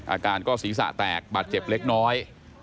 อาการก็ศีรษะแตกบาดเจ็บเล็กน้อย